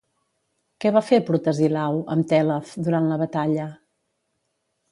Què va fer Protesilau amb Tèlef durant la batalla?